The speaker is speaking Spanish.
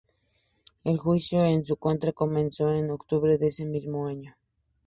El juicio en su contra comenzó en octubre de ese mismo año.